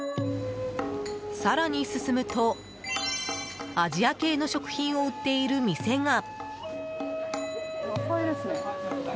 更に進むとアジア系の食品を売っている店が。